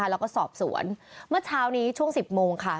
แล้วก็สอบสวนเมื่อเช้านี้ช่วง๑๐โมงค่ะ